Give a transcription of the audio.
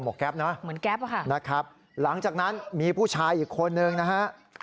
หมวกแก๊ปนะครับนะครับหลังจากนั้นมีผู้ชายอีกคนหนึ่งนะครับ